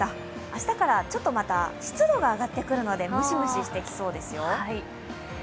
明日からちょっとまた湿度が上がってくるのでムシムシしてきそうですよ。